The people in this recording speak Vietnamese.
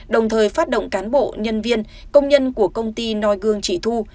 đồng thời phát động cán bộ nhân viên công nhân của công ty noi gương chị thu